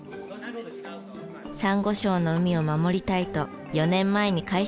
サンゴ礁の海を守りたいと４年前に会社を設立。